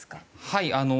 はい。